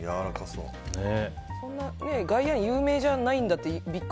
そんなガイヤーン有名じゃないんだって